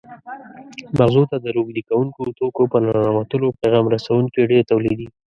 مغزو ته د روږدي کوونکو توکو په ننوتلو پیغام رسوونکي ډېر تولیدېږي.